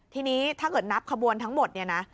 ทีนี้ถ้าเกิดนับขบวนทั้งหมดเนี่ยนะ